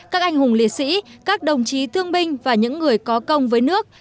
các anh hùng liệt sĩ các đồng chí thương binh và những người có công với nước